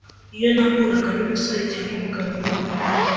iyo nahuraga n’umusore cyangwa umugabo numvaga